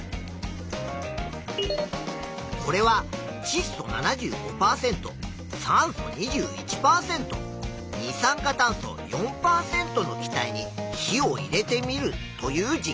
これはちっ素７５％酸素２１％二酸化炭素４％の気体に火を入れてみるという実験。